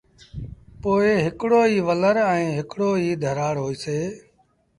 پوء هڪڙو ئيٚ ولر ائيٚݩٚ هڪڙو ئيٚ ڌرآڙ هوئيٚسي۔